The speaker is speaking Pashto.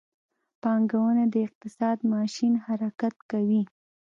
پانګونه د اقتصاد ماشین حرکت کوي.